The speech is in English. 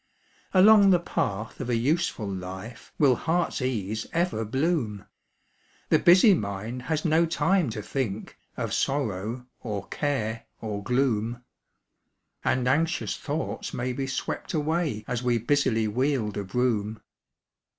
Along the path of a useful life Will heart's ease ever bloom; The busy mind has no time to think Of sorrow, or care, or gloom; And anxious thoughts may be swept away As we busily wield a broom.